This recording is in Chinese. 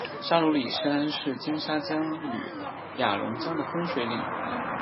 沙鲁里山是金沙江与雅砻江的分水岭。